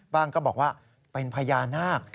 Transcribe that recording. ก็บอกว่าเป็นพญานาค